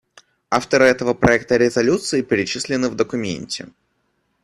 Авторы этого проекта резолюции перечислены в документе.